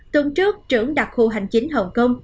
tuần trước trưởng đặc khu hành chính hồng kông